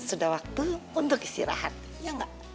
sudah waktu untuk istirahat ya enggak